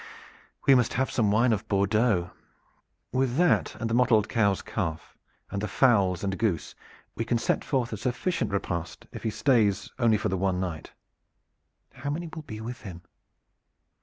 "We must have some wine of Bordeaux. With that and the mottled cow's calf and the fowls and a goose, we can set forth a sufficient repast if he stays only for the one night. How many will be with him?"